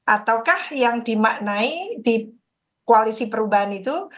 ataukah yang dimaknai di koalisi perubahan itu